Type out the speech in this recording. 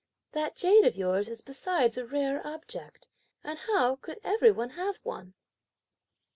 "That jade of yours is besides a rare object, and how could every one have one?"